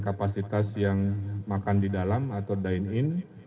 kapasitas yang makan di dalam atau dine in